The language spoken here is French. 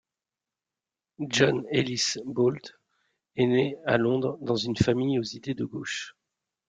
John Ellis Bowlt est né à Londres, dans une famille aux idées de gauche.